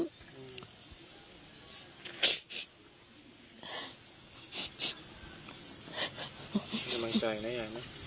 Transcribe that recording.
ไม่ได้บังใจนะยายนะ